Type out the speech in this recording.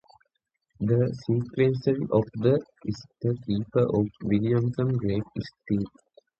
The Secretary of State is the keeper of Wisconsin's great seal.